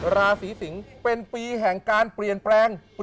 ราศีสิงศ์เป็นปีแห่งการเปลี่ยนแปลง